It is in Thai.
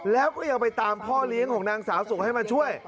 แล้วก็ยังไปตามพ่อเลี้ยงของนางสาวสุให้มาช่วย